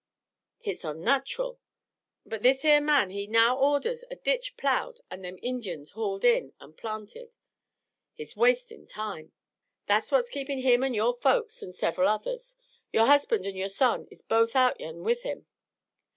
Hit's onnatcherl. But this here man he, now, orders a ditch plowed an' them Injuns hauled in an' planted. Hit's wastin' time. That's what's keepin' him an' yore folks an' sever'l others. Yore husband an' yore son is both out yan with him.